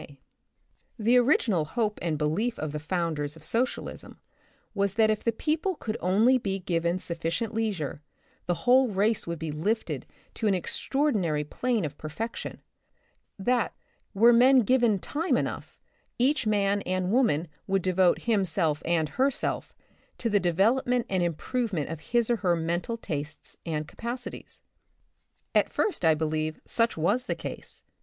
may. , I I The Republic of the Future. 65 The original hope and belief of the founders of Socialism was that if the people could only be given sufficient leisure, the whole race would be lifted to an extraordinary plane of perfec tion ; that, were men given time enough, each man and woman would devote himself and her self to the development and improvement of his or her mental tastes and capacities. At first, I believe, such was the case.